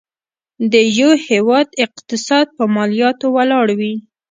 د یو هيواد اقتصاد په مالياتو ولاړ وي.